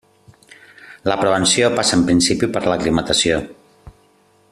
La prevenció passa en principi per l'aclimatació.